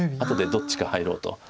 後でどっちか入ろうと。